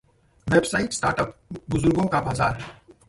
website startup बुजुर्गों का बाजार